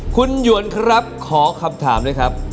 คุณหยวนครับขอคำถามด้วยครับ